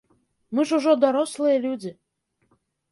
Мы ж ужо дарослыя людзі.